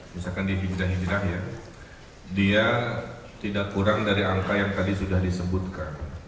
misalkan di hijrah hijrah ya dia tidak kurang dari angka yang tadi sudah disebutkan